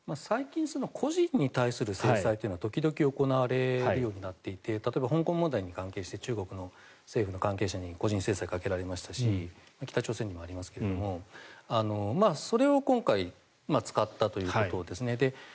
最近、個人に対する制裁は時々行われるようになっていて例えば、香港問題に関係して中国政府の関係者に個人制裁がかけられましたし北朝鮮にもありますがそれを今回、使ったということですね。